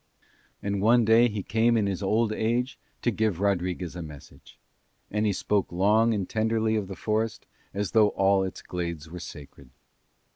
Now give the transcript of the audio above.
And one day he came in his old age to give Rodriguez a message. And he spoke long and tenderly of the forest as though all its glades were sacred.